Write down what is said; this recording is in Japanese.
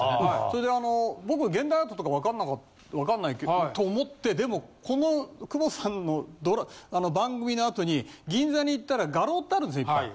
それであの僕は現代アートとかわかんないと思ってでもこの久保田さんの番組の後に銀座に行ったら画廊ってあるんですよいっぱい。